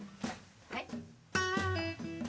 はい。